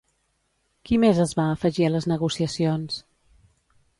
Qui més es va afegir a les negociacions?